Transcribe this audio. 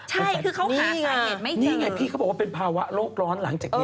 ใช่คือเขาหาสาเหตุไม่ได้นี่ไงพี่เขาบอกว่าเป็นภาวะโลกร้อนหลังจากนี้